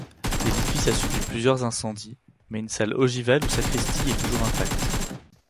L'édifice a subi plusieurs incendies, mais une salle ogivale ou sacristie est toujours intacte.